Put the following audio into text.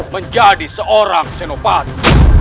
menjadi seorang senopati